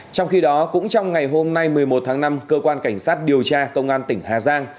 trong khi đó cũng trong ngày hôm nay một mươi một tháng năm cơ quan cảnh sát điều tra công an tỉnh hà giang